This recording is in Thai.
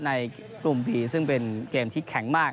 ในกลุ่มผีซึ่งเป็นเกมที่แข็งมาก